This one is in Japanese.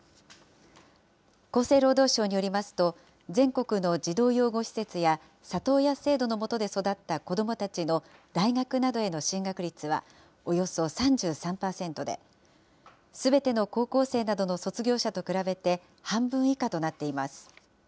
厚生労働省によりますと、全国の児童養護施設や里親制度の下で育った子どもたちの大学などへの進学率は、およそ３３％で、すべての高校生などの卒業者と比べて、半分以下となっています。